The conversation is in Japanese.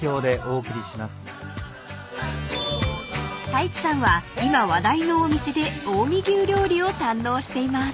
［太一さんは今話題のお店で近江牛料理を堪能しています］